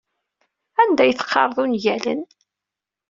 Anda ay teqqareḍ ungalen?